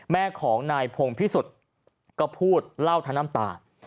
แม่ของนายพงพิสุทธิ์ก็พูดเล่าทั้งน้ำตา